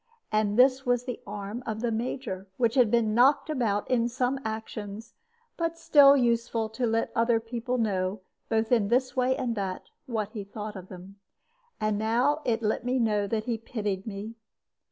And this was the arm of the Major, which had been knocked about in some actions, but was useful still to let other people know, both in this way and that, what he thought of them. And now it let me know that he pitied me.